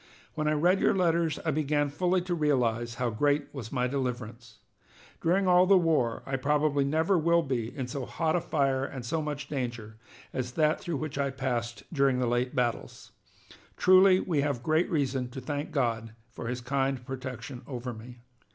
When I read your letters I began fully to realize how great was my deliverance. During all the war I most probably never will be in so hot a fire and in so much danger as that through which I passed during the late battles. Truly we have great reason to thank God for his kind protection over me.